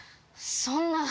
そんな。